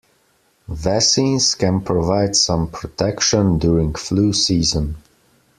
Vaccines can provide some protection during flu season.